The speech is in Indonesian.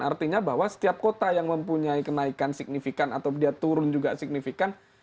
artinya bahwa setiap kota yang mempunyai kenaikan signifikan atau dia turun juga signifikan